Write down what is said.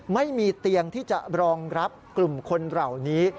ไม่มีเตียงที่จะรองรับกลุ่มคนเหล่านี้